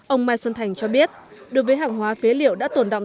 ông mai xuân thành cho biết đối với hàng hóa phế liệu đã tồn động